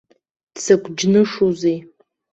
Дзакә џьнышузеи!